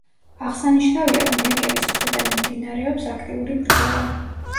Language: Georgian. აღსანიშნავია, რომ ლეკების მხრიდან მიმდინარეობს აქტიური ბრძოლა.